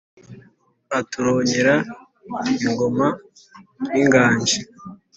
Aturonkera ingoma n’inganji